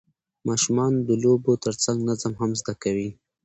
ماشومان د لوبو ترڅنګ نظم هم زده کوي